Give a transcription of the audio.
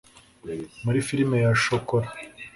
muri firime ya shokora